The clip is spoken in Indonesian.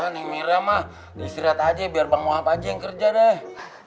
nih mira mah istirahat aja biar bang muaf aja yang kerja deh